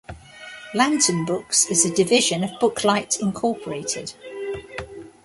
Lantern Books is a division of Booklight Incorporated.